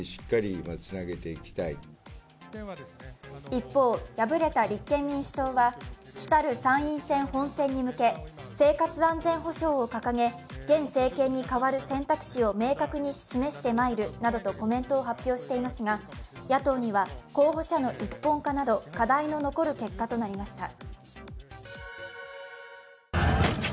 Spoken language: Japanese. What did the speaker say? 一方、敗れた立憲民主党は来る参院選本戦に向け生活安全保障を掲げ、現政権に代わる選択肢を明確に示してまいるなどとコメントを発表していますが、野党には候補者の一本化など課題の残る結果となりました。